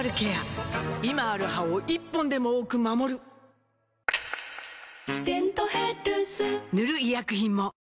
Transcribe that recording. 今ある歯を１本でも多く守る「デントヘルス」塗る医薬品も